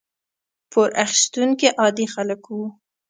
پور اخیستونکي عادي خلک وو.